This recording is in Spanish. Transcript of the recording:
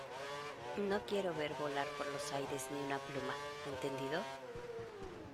no quiero ver volar por los aires ni una pluma, ¿ entendido?